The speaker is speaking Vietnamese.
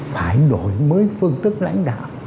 phải đổi mới phương tức lãnh đạo